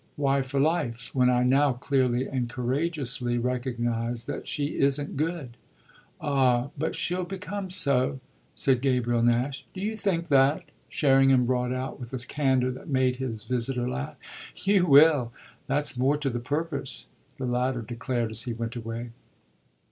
"Why for life, when I now clearly and courageously recognise that she isn't good?" "Ah but she'll become so," said Gabriel Nash. "Do you think that?" Sherringham brought out with a candour that made his visitor laugh. "You will that's more to the purpose!" the latter declared as he went away.